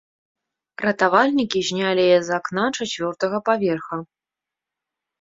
Ратавальнікі знялі яе з акна чацвёртага паверха.